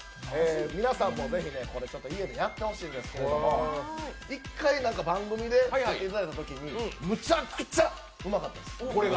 皆さんもぜひ、家でやってほしいんですけれども１回、番組で作っていただいたときにむちゃくちゃうまかったです。